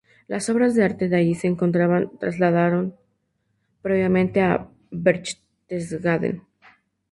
Las obras de arte que allí se encontraban se trasladaron previamente a Berchtesgaden.